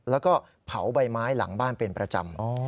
แล้วก็เผาใบไม้หลังบ้านเป็นประจำ